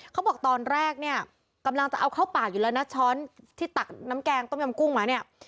เขาบอกตอนแรกเนี่ยกำลังจะเอาเข้าปากอยู่แล้วนะช้อนที่ตักน้ำแกงต้มยำกุ้งมาเนี่ย